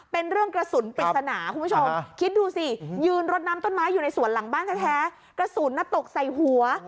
เป็นเรื่องกระสุนปริศนาคุณผู้ชมคิดดูสิยืนรดน้ำต้นไม้อยู่ในสวนหลังบ้านแท้กระสุนตกใส่หัว